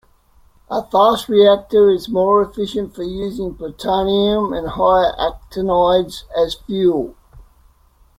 A fast reactor is more efficient for using plutonium and higher actinides as fuel.